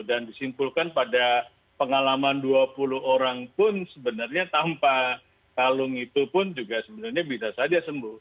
dan disimpulkan pada pengalaman dua puluh orang pun sebenarnya tanpa kalung itu pun juga sebenarnya bisa saja sembuh